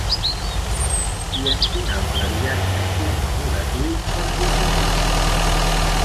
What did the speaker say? I en quin altre viatge commemoratiu participà?